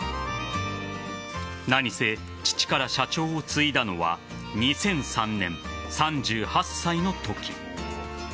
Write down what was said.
何せ、父から社長を継いだのは２００３年、３８歳のとき。